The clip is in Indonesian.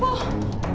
kalian mau kemana